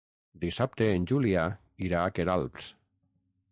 Dissabte en Julià irà a Queralbs.